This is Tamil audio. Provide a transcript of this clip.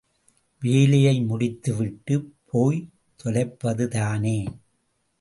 வேலையை முடித்துவிட்டு போய் தொலைப்பதுதானே?